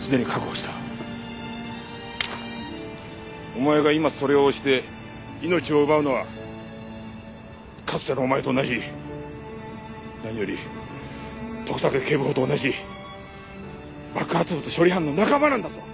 お前が今それを押して命を奪うのはかつてのお前と同じ何より徳武警部補と同じ爆発物処理班の仲間なんだぞ！